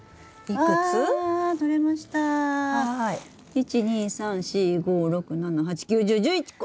１２３４５６７８９１０１１個！